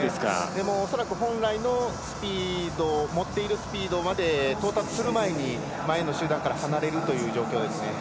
恐らく本来持っているスピードまで到達する前に、前の集団から離れるという状況ですね。